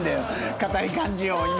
硬い感じを今。